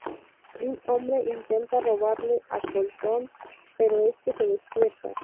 Un hombre intenta robarle a Colton, pero este se despierta.